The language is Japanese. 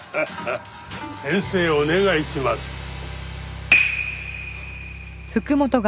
先生お願いします。